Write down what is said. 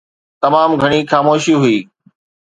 تمام گهڻي خاموشي هئي